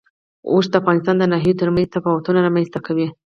اوښ د افغانستان د ناحیو ترمنځ تفاوتونه رامنځ ته کوي.